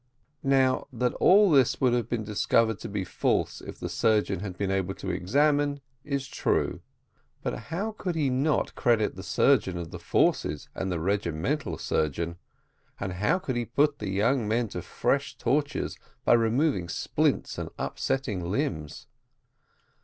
Now, that all this would have been discovered to be false if the surgeon had been able to examine, is true; but how could he not credit the surgeon of the forces and the regimental surgeon, and how could he put the young men to fresh tortures by removing splints and unsetting limbs?